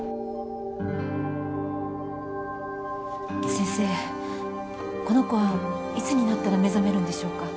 先生この子はいつになったら目覚めるんでしょうか？